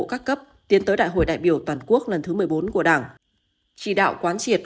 các cấp tiến tới đại hội đại biểu toàn quốc lần thứ một mươi bốn của đảng chỉ đạo quán triệt